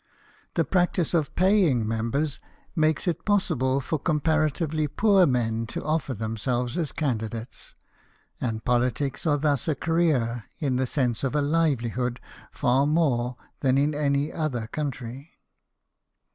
The practice of paying members makes it possible for comparatively poor men to offer themselves as candidates ; and politics are thus a career, in the sense of a livelihood, far more than in any other country.